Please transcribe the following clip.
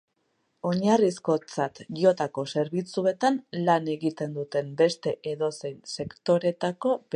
Oinarrizkotzat jotako zerbitzuetan lan egiten duten beste edozein sektoretako beharginak.